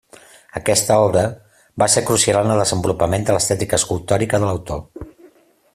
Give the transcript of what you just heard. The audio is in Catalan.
Aquesta obra va ser crucial en el desenvolupament de l'estètica escultòrica de l'autor.